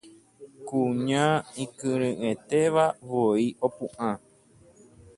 Kuña ikyre'ỹetéva voi opu'ã